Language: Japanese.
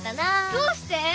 どうして？